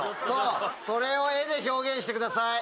それを絵で表現してください。